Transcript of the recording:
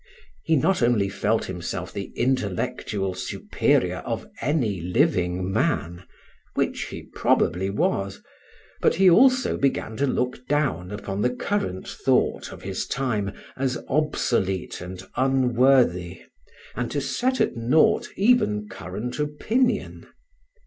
He not only felt himself the intellectual superior of any living man, which he probably was, but he also began to look down upon the current thought of his time as obsolete and unworthy, and to set at naught even current opinion.